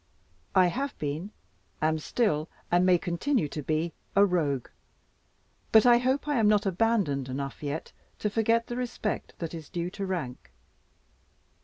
I have been, am still, and may continue to be, a Rogue; but I hope I am not abandoned enough yet to forget the respect that is due to rank.